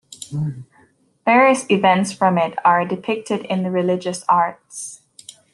Various events from it are depicted in religious art.